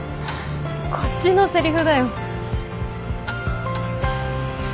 こっちのせりふだよ。